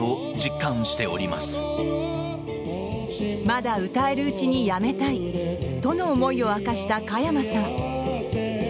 まだ歌えるうちにやめたいとの思いを明かした加山さん。